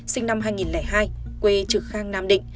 sinh năm hai nghìn hai quê trực khang nam định